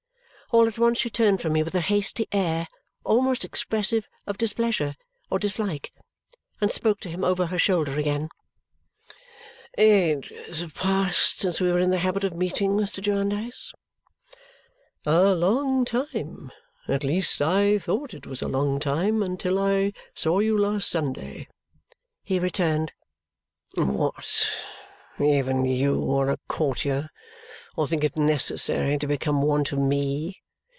All at once she turned from me with a hasty air, almost expressive of displeasure or dislike, and spoke to him over her shoulder again. "Ages have passed since we were in the habit of meeting, Mr. Jarndyce." "A long time. At least I thought it was a long time, until I saw you last Sunday," he returned. "What! Even you are a courtier, or think it necessary to become one to me!"